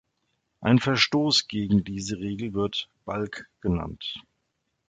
Ein Verstoß gegen diese Regel wird "Balk" genannt.